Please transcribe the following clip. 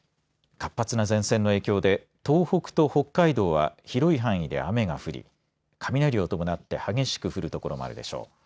活発な前線の影響で東北と北海道は広い範囲で雨が降り雷を伴って激しく降る所もあるでしょう。